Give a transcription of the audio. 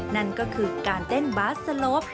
นั่นก็คือการเต้นบาสสโลป